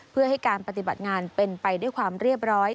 เพื่อให้การปฏิบัติงานเป็นไปด้วยความเรียบร้อย